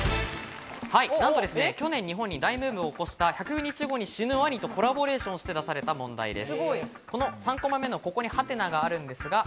なんと去年、日本に大ブームを起こした『１００日後に死ぬワニ』とコラボレーションして出された問題です。